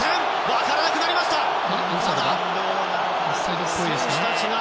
分からなくなりましたが。